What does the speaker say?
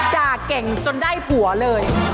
เก่งจนได้ผัวเลย